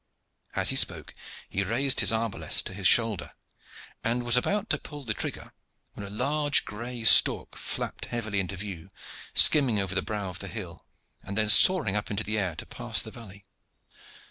As he spoke he raised his arbalest to his shoulder and was about to pull the trigger, when a large gray stork flapped heavily into view skimming over the brow of the hill, and then soaring up into the air to pass the valley.